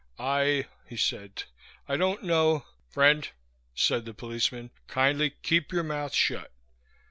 "I," he said. "I don't know " "Friend," said the policeman, "kindly keep your mouth shut.